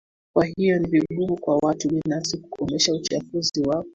Kwa hiyo ni vigumu kwa watu binafsi kukomesha uchafuzi wa